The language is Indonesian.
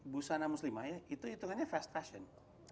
busana muslimah ya itu hitungannya fast fashion